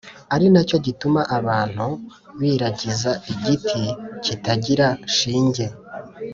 ari na cyo gituma abantu biragiza igiti kitagira shinge,